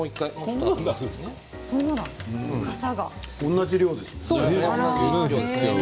同じ量ですよね。